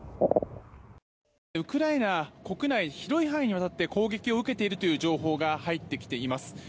ウクライナ国内広い範囲にわたって攻撃を受けているという情報が入ってきています。